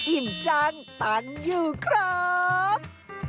อิ่มจังตันอยู่ครับ